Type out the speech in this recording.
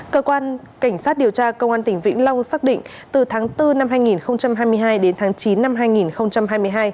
cơ quan cảnh sát điều tra công an tỉnh vĩnh long xác định từ tháng bốn năm hai nghìn hai mươi hai đến tháng chín năm hai nghìn hai mươi hai